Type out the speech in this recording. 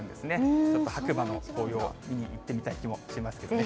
ちょっと白馬の紅葉、見に行ってみたい気もしますけれどもね。